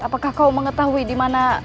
apakah kau mengetahui dimana